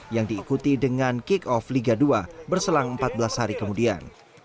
yang diikuti dengan kick off liga dua berselang empat belas hari kemudian